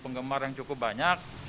penggemar yang cukup banyak